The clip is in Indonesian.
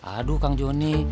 aduh kang joni